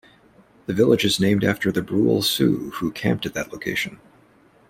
The village is named after the Brule Sioux, who camped at that location.